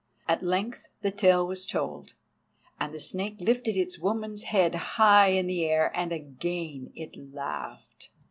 At length the tale was told, and the Snake lifted its woman's head high in the air and again it laughed.